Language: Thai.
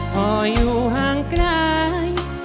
พออยู่ห่างไกล